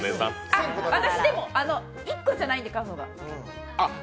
私、でも、１個じゃないんで、買うのが。